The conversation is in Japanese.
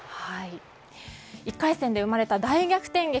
１回戦で生まれた大逆転劇。